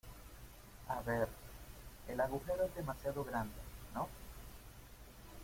a ver, el agujero es demasiado grande ,¿ no?